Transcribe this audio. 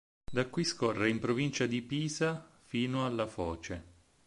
Da qui scorre in provincia di Pisa fino alla foce.